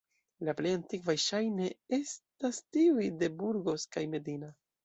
La plej antikvaj ŝajne estas tiuj de Burgos kaj Medina.